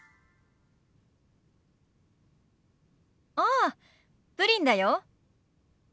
ああプリンだよ。